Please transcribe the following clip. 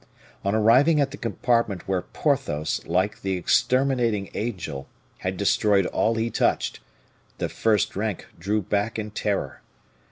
On arriving at the compartment where Porthos, like the exterminating angel, had destroyed all he touched, the first rank drew back in terror.